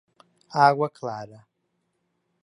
Água Clara